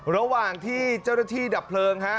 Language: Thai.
ระหว่างที่เจ้าหน้าที่ดับเพลิงฮะ